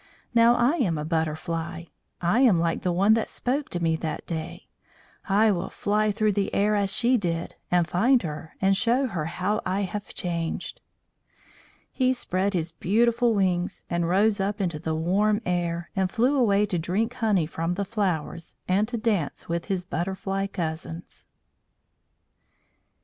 "Now I am a Butterfly. I am like the one that spoke to me that day. I will fly through the air as she did, and find her, and show her how I have changed." He spread his beautiful wings and rose up into the warm air, and flew away to drink honey from the flowers and to dance with his butterfly cousins.